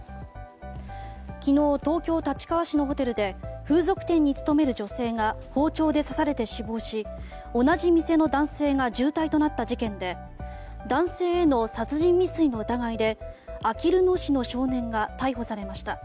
昨日、東京・立川市のホテルで風俗店に勤める女性が包丁で刺されて死亡し同じ店の男性が重体となった事件で男性への殺人未遂の疑いであきる野市の少年が逮捕されました。